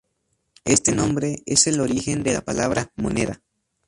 Este nombre es el origen de la palabra "moneda".